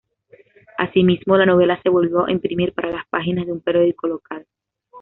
Asimismo, la novela se volvió a imprimir para las páginas de un periódico local.